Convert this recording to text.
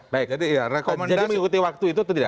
jadi mengikuti waktu itu tidak